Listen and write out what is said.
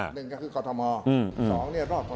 หนึ่งก็คือกฏมอล์สองพวกรอบกฏมอล์